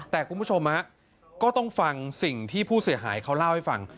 แต่คุณผู้ชมก็ต้องฟังสิ่งที่ผู้เสียหายเขาเล่าให้ฟัง